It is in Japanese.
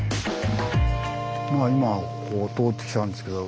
今ここを通ってきたんですけど